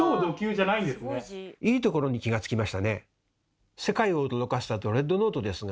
いいところに気が付きましたね。